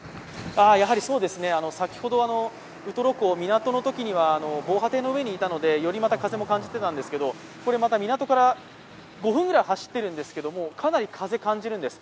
先ほど、ウトロ港のときには防波堤の上にいたのでより、風も感じてたんですけど港から５分くらい走ってるんですがかなり風、感じるんです。